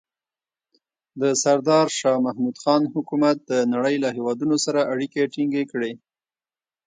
د سردار شاه محمود خان حکومت د نړۍ له هېوادونو سره اړیکې ټینګې کړې.